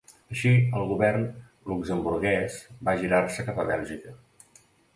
Així, el govern luxemburguès va girar-se cap a Bèlgica.